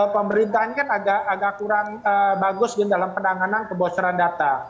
pemerintahnya kan agak kurang bagus dalam penanganan kebocoran data